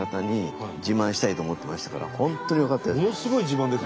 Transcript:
本当によかったです。